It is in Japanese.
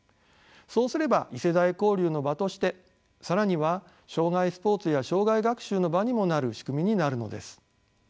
そうすれば異世代交流の場として更には生涯スポーツや生涯学習の場にもなる仕組みになるのです。